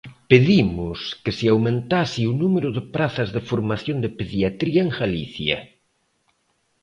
Pedimos que se aumentase o número de prazas de formación de pediatría en Galicia.